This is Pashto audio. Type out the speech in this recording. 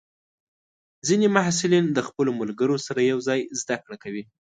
ځینې محصلین د خپلو ملګرو سره یوځای زده کړه کوي.